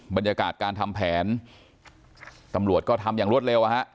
บรรยากาศการทำแผนตำรวจก็ทำอย่างรวดเร็วอ่ะฮะ